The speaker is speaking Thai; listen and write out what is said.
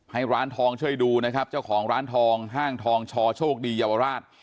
ร้านทองช่วยดูนะครับเจ้าของร้านทองห้างทองชอโชคดีเยาวราช